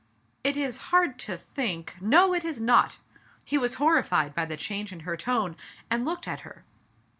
"It is hard to think " •*No, it is not!" He was horrified by the change in her tone, and looked at her.